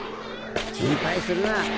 心配するな。